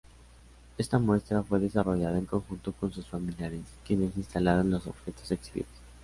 Esta muestra fue desarrollada en conjunto con sus familiares, quienes instalaron los objetos exhibidos.